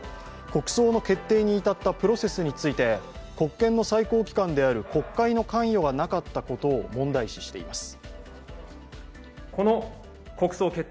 国葬の決定に至ったプロセスについて国権の最高機関である国会の関与がなかったことを問題視しています。